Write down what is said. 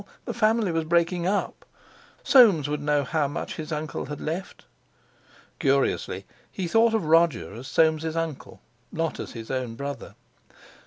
The family was breaking up. Soames would know how much his uncle had left. Curiously he thought of Roger as Soames' uncle not as his own brother.